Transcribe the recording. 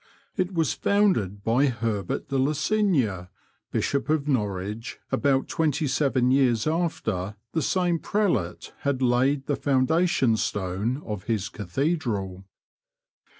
It was founded by Herbert de Lozinga, Bishop of Norwich, about twenty seven years after the same prelate had laid the foundation stone of his cathedral.